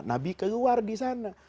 nabi keluar disana